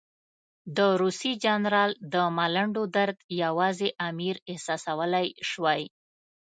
د روسي جنرال د ملنډو درد یوازې امیر احساسولای شوای.